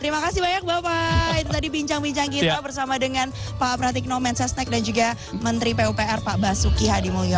terima kasih banyak bapak itu tadi bincang bincang kita bersama dengan pak pratikno mensesnek dan juga menteri pupr pak basuki hadimulyo